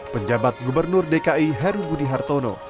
penjabat gubernur dki heru budi hartono